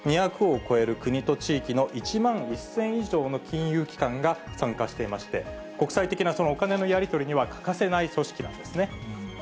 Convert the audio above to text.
２００を超える国と地域の１万１０００以上の金融機関が参加していまして、国際的なお金のやり取りには欠かせない組織なんですね。